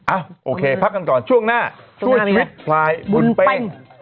อะโอเคพักกันก่อนช่วงหน้าช่วงหน้ามีมั้ยพลายบุญแป้ง